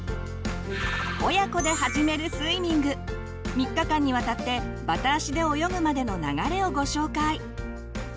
３日間にわたってバタ足で泳ぐまでの流れをご紹介。